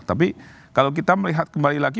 tapi kalau kita melihat kembali lagi